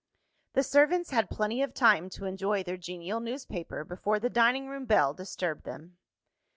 The servants had plenty of time to enjoy their genial newspaper, before the dining room bell disturbed them.